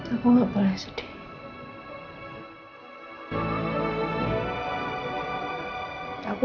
aku gak pernah sedih